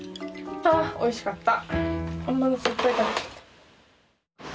ああおいしかった。